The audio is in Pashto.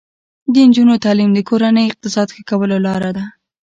د نجونو تعلیم د کورنۍ اقتصاد ښه کولو لاره ده.